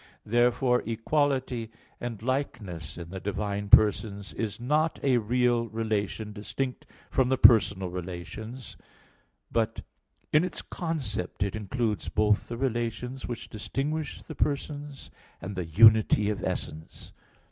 Therefore equality and likeness in the divine persons is not a real relation distinct from the personal relations: but in its concept it includes both the relations which distinguish the persons, and the unity of essence.